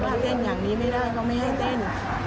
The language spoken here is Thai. ถ้าเต้นอย่างนี้ไม่ได้เขาไม่ให้เต้น